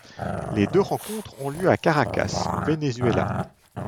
Les deux rencontres ont lieu à Caracas, au Venezuela.